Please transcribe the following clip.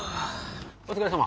お疲れさま！